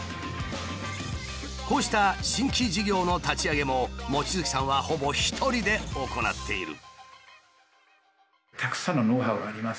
こうした新規事業の立ち上げも望月さんはほぼ一人で行っている。